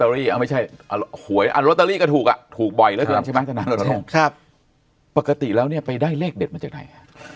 ถูกล็อตเตอรี่อ่ะไม่ใช่หวยอ่ะล็อตเตอรี่ก็ถูกอ่ะถูกบ่อยแล้วใช่ไหมครับปกติแล้วเนี่ยไปได้เลขเด็ดมันจากไหน